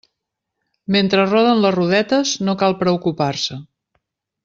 Mentre roden les rodetes, no cal preocupar-se.